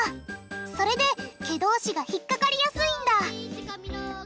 それで毛同士が引っ掛かりやすいんだ